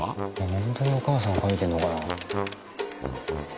ホントにお母さんが書いてるのかな？